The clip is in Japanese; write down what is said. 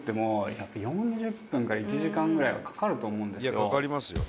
いやかかりますよ。